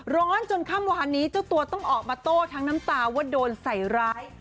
ร้อนจนค่ำวานนี้เจ้าตัวต้องออกมาโต้ทั้งน้ำตาว่าโดนใส่ร้าย